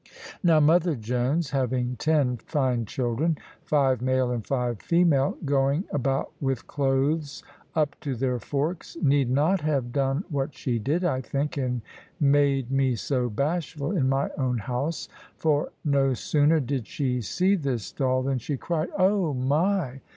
Now, mother Jones, having ten fine children (five male and five female) going about with clothes up to their forks, need not have done what she did, I think, and made me so bashful in my own house. For no sooner did she see this doll, than she cried, "Oh, my!"